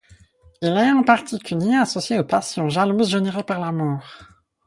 Il est, en particulier, associé aux Passions jalouses générées par l'Amour.